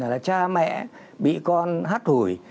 là cha mẹ bị con hát hủi